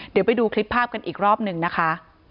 เดี๋ยวไปดูคลิปภาพกันอีกรอบหนึ่งนะคะ